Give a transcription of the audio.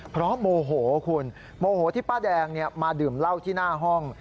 เพราะโมโหคุณโมโหที่ป้าแดงมาดื่มเหล้าที่หน้าห้อง